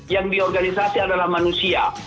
yang di organisasi adalah manusia